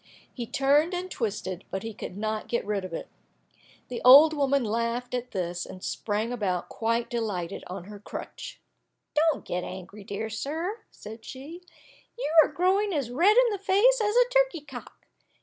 He turned and twisted, but he could not get rid of it. The old woman laughed at this, and sprang about quite delighted on her crutch. "Don't get angry, dear sir," said she, "you are growing as red in the face as a turkey cock!